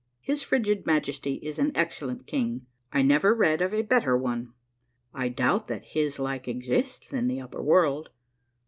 His frigid Majesty is an excellent king. I never read of a better one. I doubt that his like exists in the upper world.